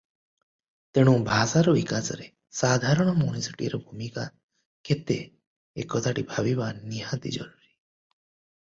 ତେଣୁ ଭାଷାର ବିକାଶରେ ସାଧାରଣ ମଣିଷଟିଏର ଭୂମିକା କେତେ ଏକଥାଟି ଭାବିବା ନିହାତି ଜରୁରୀ ।